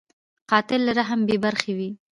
قاتل له رحم بېبرخې وي